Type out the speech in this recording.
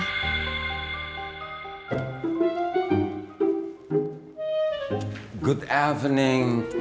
ternyata dia kayaknya sudah kutip lebih barack sanders kan